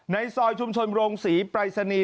ในซอยชุมชนโรงศรีปรายศนีย์